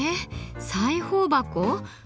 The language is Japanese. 裁縫箱？